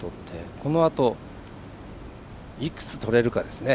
このあと、いくつ取れるかですね。